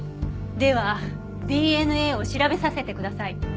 ではＤＮＡを調べさせてください。